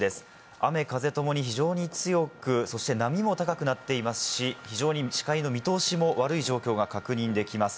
雨風ともに非常に強く、そして波も高くなっていますし、非常に視界の見通しも悪い状況が確認できます。